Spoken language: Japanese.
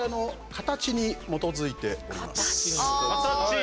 形？